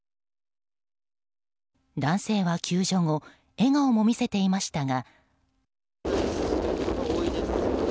男性は救助後笑顔も見せていましたが。